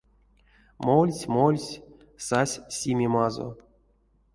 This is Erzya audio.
Мольсь, мольсь — сась симемазо.